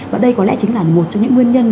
và đây có lẽ chính là một trong những nguyên nhân